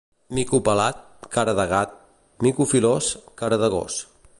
Mico pelat, cara de gat; mico filós, cara de gos.